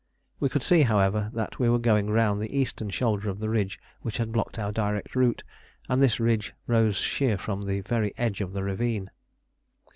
We could see, however, that we were going round the eastern shoulder of the ridge which had blocked our direct route, and this ridge rose sheer from the very edge of the ravine.